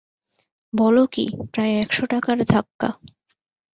বল কী, প্রায় একশো টাকার ধাক্কা।